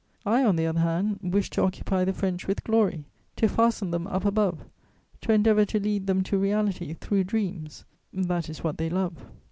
I, on the other hand, wished to occupy the French with glory, to fasten them up above, to endeavour to lead them to reality through dreams: that is what they love.